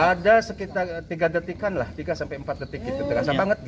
ada sekitar tiga empat detik terasa banget